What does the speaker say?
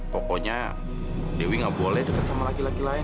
pokoknya dewi gak boleh dekat sama laki laki lain